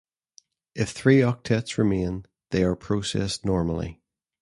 If three octets remain, they are processed normally.